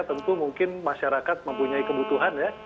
tentu mungkin masyarakat mempunyai kebutuhan ya